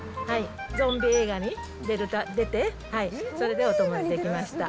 ゾンビ映画に出て、それでお友達できました。